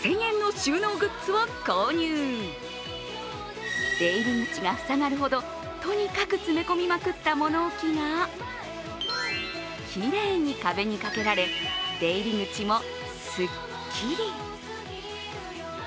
出入り口が塞がるほどとにかく詰め込みまくった物置がきれいに壁に掛けられ、出入り口もすっきり。